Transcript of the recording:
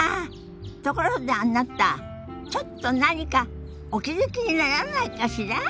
ところであなたちょっと何かお気付きにならないかしら？